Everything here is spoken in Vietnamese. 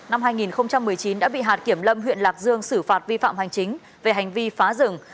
năm hai nghìn một mươi chín đã bị hạt kiểm lâm huyện lạc dương xử phạt vi phạm hành chính về hành vi phá rừng